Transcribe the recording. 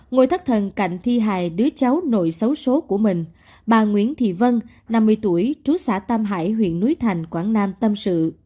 ngồi thất thần cạnh thi hài đứa cháu nội xấu xố của mình bà nguyễn thị vân năm mươi tuổi trú xã tam hải huyện núi thành quảng nam tâm sự